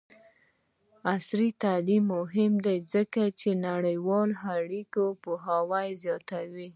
عصري تعلیم مهم دی ځکه چې د نړیوالو اړیکو پوهاوی زیاتوي.